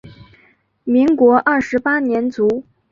民国二十八年卒。